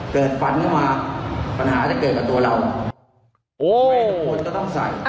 ใครทุกคนก็ต้องใส่